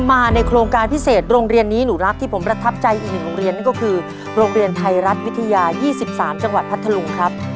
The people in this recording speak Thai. มาในโครงการพิเศษโรงเรียนนี้หนูรักที่ผมประทับใจอีกหนึ่งโรงเรียนนั่นก็คือโรงเรียนไทยรัฐวิทยา๒๓จังหวัดพัทธลุงครับ